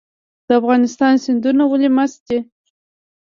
د افغانستان سیندونه ولې مست دي؟